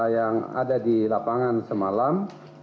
yang ada di lapangan semalam